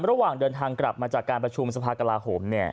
ระหว่างเดินทางกลับมาจากการประชุมสภากลาโหม